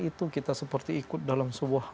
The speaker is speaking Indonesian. itu kita seperti ikut dalam sebuah